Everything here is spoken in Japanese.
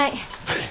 はい。